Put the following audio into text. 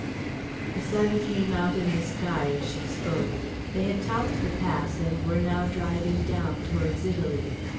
The sun came out in the sky as she spoke. They had topped the pass and were now driving down towards Italy.